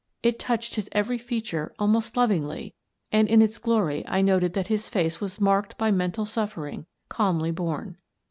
It touched his every feature almost lovingly, and, in its glory, I noted that his face was marked by mental suffering calmly borne.